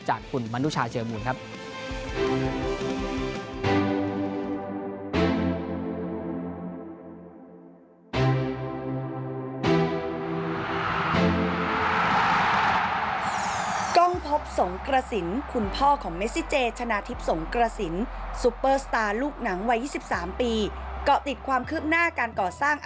จากคุณมนุชาเชียวหมู่นครับ